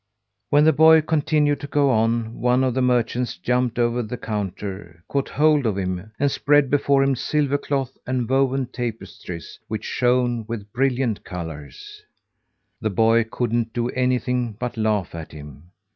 When the boy continued to go on, one of the merchants jumped over the counter, caught hold of him, and spread before him silver cloth and woven tapestries, which shone with brilliant colours. The boy couldn't do anything but laugh at him.